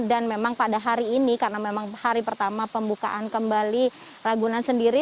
dan memang pada hari ini karena memang hari pertama pembukaan kembali ragunan sendiri